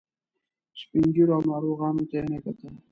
سپین ږیرو او ناروغانو ته یې نه کتل.